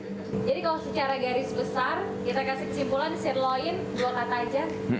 jadi kalau secara garis besar kita kasih kesimpulan sirloin dua kata aja